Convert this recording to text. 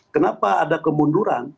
kenapa ada kemunduran